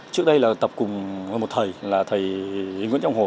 trước đây là tập cùng một thầy là thầy nguyễn trọng hồ